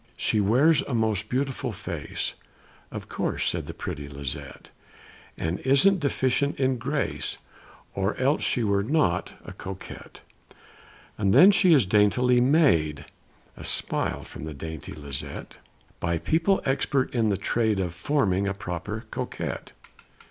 "She wears a most beautiful face" ("Of course," said the pretty Lisette), "And isn't deficient in grace, Or else she were not a Coquette. "And then she is daintily made" (A smile from the dainty Lisette) "By people expert in the trade Of forming a proper Coquette.